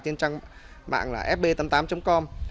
trên trang mạng là fb tám mươi tám com